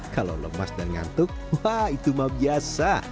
kalau lemas dan ngantuk wah itu mah biasa